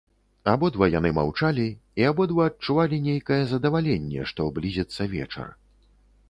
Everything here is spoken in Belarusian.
Абодва яны маўчалі і абодва адчувалі нейкае задаваленне, што блізіцца вечар.